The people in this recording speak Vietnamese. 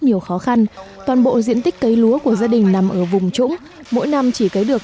nhiều khó khăn toàn bộ diện tích cấy lúa của gia đình nằm ở vùng trũng mỗi năm chỉ cấy được